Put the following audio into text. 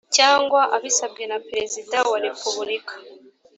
cyangwa abisabwe na perezida wa repubulika